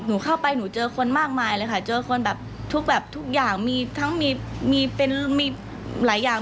หนูเข้าไปหนูเจอคนมากมายเลยค่ะเจอคนแบบทุกแบบทุกอย่างมีทั้งมีมีเป็นมีหลายอย่าง